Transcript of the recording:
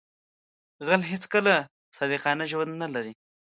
غل هیڅکله صادقانه ژوند نه لري